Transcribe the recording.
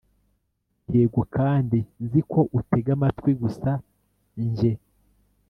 yego kandi nzi ko utega amatwi gusa njye